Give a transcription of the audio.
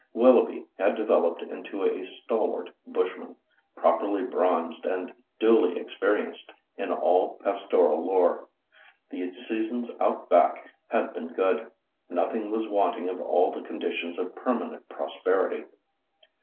Willoughby had developed into a stalwart bushman, properly bronzed and duly experienced in all pastoral lore. The seasons "out back" had been good. Nothing was wanting of all the conditions of permanent prosperity.